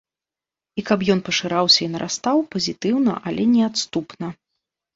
І каб ён пашыраўся і нарастаў, пазітыўна, але неадступна.